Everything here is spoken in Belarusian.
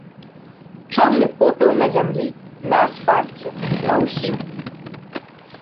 Чорны попел на зямлі, на асфальце, на ўсім.